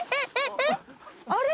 あれ。